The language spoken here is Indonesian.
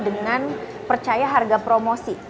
dengan percaya harga promosi